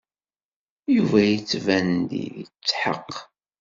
Yuba yettban-d yetḥeqq.